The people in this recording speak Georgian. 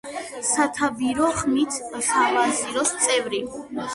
სათათბირო ხმით სავაზიროს წევრი.